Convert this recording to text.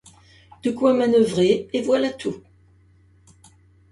De quoi manœuvrer, et voilà tout.